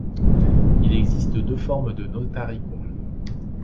Il existe deux formes de Notarikon.